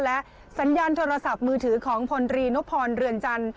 และสัญญาณโทรศัพท์มือถือของพลตรีนุพรเรือนจันทร์